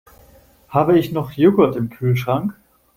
Habe ich noch Joghurt im Kühlschrank?